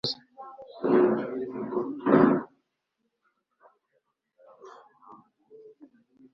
Nabizeza guhora nshoza